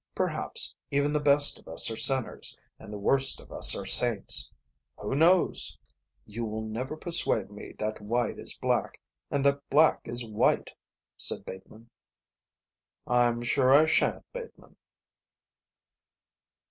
Perhaps even the best of us are sinners and the worst of us are saints. Who knows?" "You will never persuade me that white is black and that black is white," said Bateman. "I'm sure I shan't, Bateman."